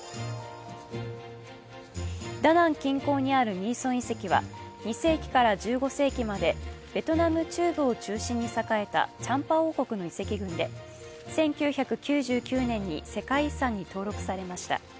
ダナン近郊にあるミーソン遺跡は２世紀から１５世紀までベトナム中部を中心に栄えたチャンパ王国の遺跡群で１９９９年に世界遺産に登録されました。